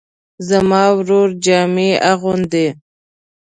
زما ورور جامې اغوندي